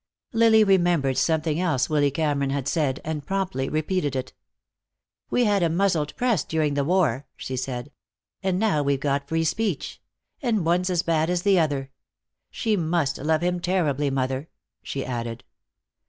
Lily remembered something else Willy Cameron had said, and promptly repeated it. "We had a muzzled press during the war," she said, "and now we've got free speech. And one's as bad as the other. She must love him terribly, mother," she added.